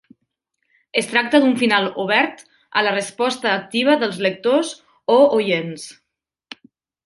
Es tracta d'un final obert a la resposta activa dels lectors o oients.